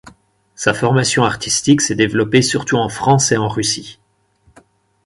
Sa formation artistique s’est développée surtout en France et en Russie.